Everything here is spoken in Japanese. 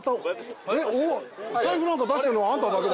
お財布なんか出してんのあんただけだよ。